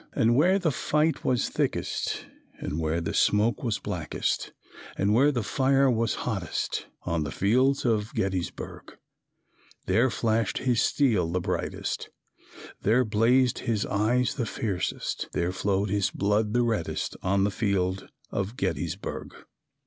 And where the fight was thickest, And where the smoke was blackest, And where the fire was hottest, On the fields of Gettysburg, There flashed his steel the brightest, There blazed his eyes the fiercest, There flowed his blood the reddest On the field of Gettysburg.